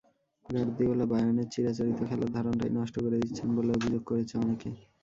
Guardiola, বায়ার্নের চিরাচরিত খেলার ধরনটাই নষ্ট করে দিচ্ছেন বলে অভিযোগ করেছে অনেকে।